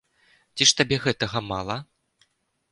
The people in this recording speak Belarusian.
Ці ж табе гэтага мала?